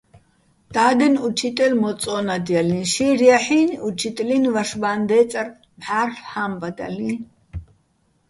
და́დენ უჩიტელ მოწო́ნადჲალიჼ: შეჲრი̆ ჲაჰ̦ინი̆, უჩიტლენი̆ ვაშბაჼდე́წარ მჵარლ' ჰა́მბადალიჼ.